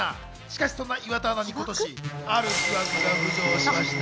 しかしそんな岩田アナに今年、ある疑惑が浮上しました。